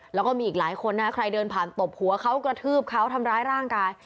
แล้วก็มีอีกหลายคนนะใครเดินผ่านตบหัวเขากระทืบเขาทำร้ายร่างกาย